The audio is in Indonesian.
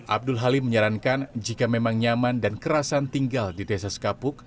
abdul halim menyarankan jika memang nyaman dan kerasan tinggal di desa sekapuk